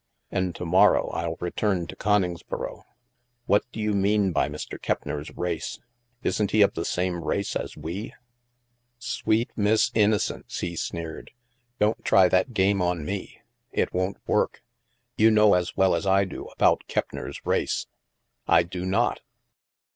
And to morrow I'll return to Coningsboro. What do you mean by Mr. Keppner's *race'? Isn't he of the same race as we ?"" Sweet Miss Innocence," he sneered. " Don't try that game on me. It won't work. You know as well as I do about Keppner's race." " I do not."